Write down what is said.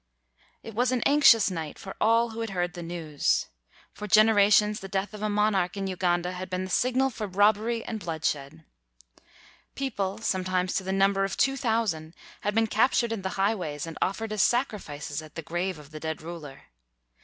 It was an anxious night for all who had heard the news. For generations, the death 196 THREE BOY HEROES of a monarch, in Uganda had been the signal for robbery and bloodshed. People, some times to the number of two thousand, had been captured in the highways and offered as sacrifices at the grave of the dead ruler.